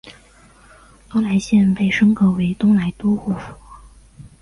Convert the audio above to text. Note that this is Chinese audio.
东莱县被升格为东莱都护府。